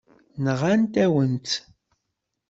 Nɣant-awen-tt.